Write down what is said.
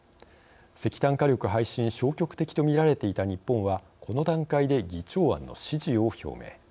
石炭火力廃止に消極的と見られていた日本はこの段階で議長案の支持を表明。